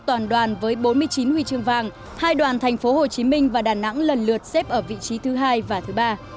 toàn đoàn với bốn mươi chín huy chương vàng hai đoàn thành phố hồ chí minh và đà nẵng lần lượt xếp ở vị trí thứ hai và thứ ba